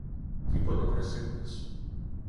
Τίποτα ο Βρασίδας